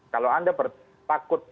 kalau anda berpaku